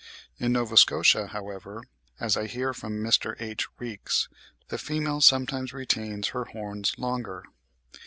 In Nova Scotia, however, as I hear from Mr. H. Reeks, the female sometimes retains her horns longer.